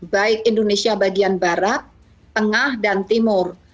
baik indonesia bagian barat tengah dan timur